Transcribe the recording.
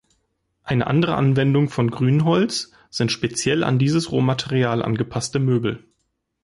Eine andere Anwendung von Grünholz sind speziell an dieses Rohmaterial angepasste Möbel.